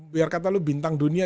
biar kata lu bintang dunia